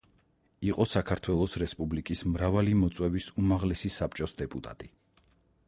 იყო საქართველოს რესპუბლიკის მრავალი მოწვევის უმაღლესი საბჭოს დეპუტატი.